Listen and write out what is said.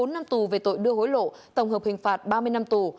một mươi bốn năm tù về tội đưa hối lộ tổng hợp hình phạt ba mươi năm tù